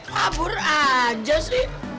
kabur aja sih